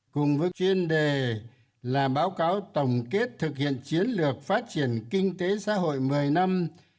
cùng với chuyên đề là báo cáo tổng kết thực hiện chiến lược phát triển kinh tế xã hội một mươi năm hai nghìn một mươi một hai nghìn hai